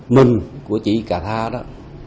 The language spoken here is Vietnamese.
mình của chị cà tha đó